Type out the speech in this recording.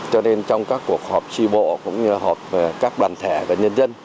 cho nên trong các cuộc họp si bộ cũng như họp các đoàn thẻ và nhân dân